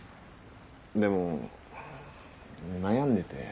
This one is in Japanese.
でも悩んでて。